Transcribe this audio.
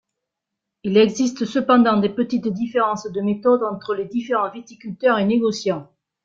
Il existe cependant des petites différences de méthode entre les différents viticulteurs et négociants.